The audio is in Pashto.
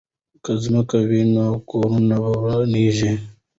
که ځمکه وي نو کور نه ورانیږي.